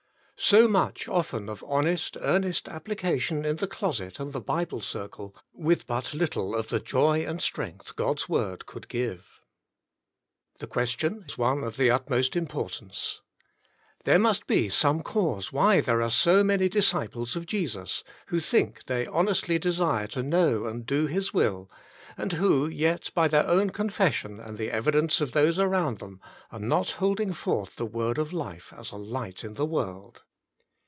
So much often of honest, earnest appli cation in the closet and the Bible circle, with but little of the joy and strength God's Word could give? 86 Teachableness 87 The question is one of the utmost importance. There must be some cause why there are so many disciples of Jesus who think they honestly desire to know and do His will, and who yet by their own confession and the evidence of those around them, are not holding forth the word of life as a light in the world.